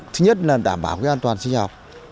thứ nhất là đảm bảo an toàn sinh học